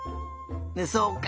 そうか。